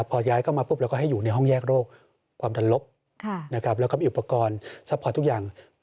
พอย้ายเข้ามาปุ๊บเราก็ให้อยู่ในห้องแยกโรคความดันลบแล้วก็มีอุปกรณ์ซัพพอร์ตทุกอย่าง